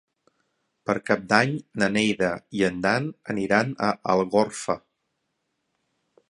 Per Cap d'Any na Neida i en Dan aniran a Algorfa.